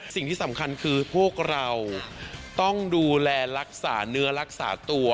สิ่งที่สำคัญคือพวกเราต้องดูแลรักษาเนื้อรักษาตัว